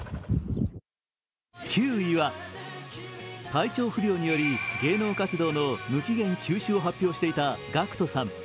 体調不良により芸能活動の無期限休止を発表していたＧＡＣＫＴさん。